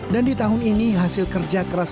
dan di tahun ini hasil kerja kerjanya